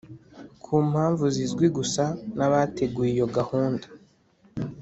ku mpamvu zizwi gusa n'abateguye iyo gahunda.